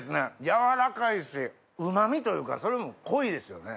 やわらかいしうま味というかそれも濃いですよね。